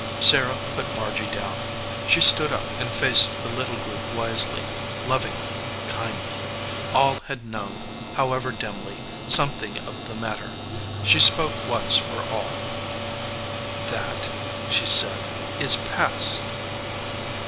Sarah put Margy down. She stood up and faced the little group wisely, lovingly, kindly. All had known, however dimly, something of the matter. She spoke once for all. "That," she said, "is past."